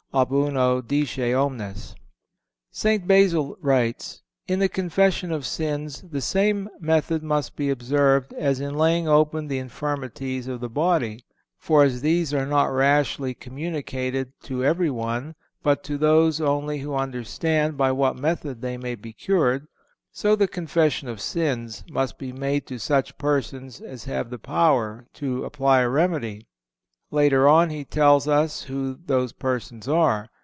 "Ab uno disce omnes." St. Basil writes: "In the confession of sins the same method must be observed as in laying open the infirmities of the body; for as these are not rashly communicated to every one, but to those only who understand by what method they may be cured, so the confession of sins must be made to such persons as have the power to apply a remedy."(445) Later on he tells us who those persons are.